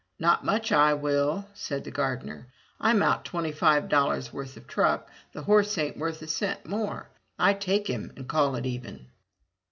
"Not much I will," said the gardener. "I'm out twenty five dollars' worth of truck; the horse ain't worth a cent more. I take him and call it even."